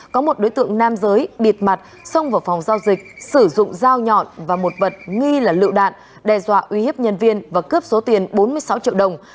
có một đối tượng nam giới bịt mặt xông vào phòng giao dịch sử dụng dao nhọn và một vật nghi là lựu đạn đe dọa uy hiếp nhân viên và cướp số tiền bốn mươi sáu triệu đồng